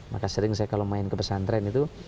maka sering saya kalau main ke pesantren itu